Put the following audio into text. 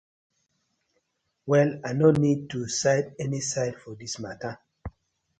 Well I no need to side any side for dis matta.